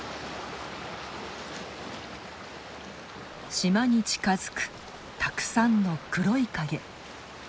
島に近づくたくさんの黒い影。